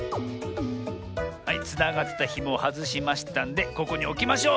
はいつながったひもをはずしましたんでここにおきましょう！